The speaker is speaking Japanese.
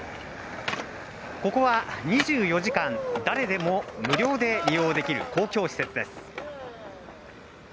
ここは２４時間、誰でも無料で利用できる公共施設です。